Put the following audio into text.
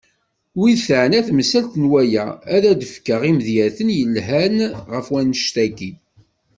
Wid teɛna temsalt n waya ad d-fkeɣ imedyaten yelhan ɣef wanect-agi.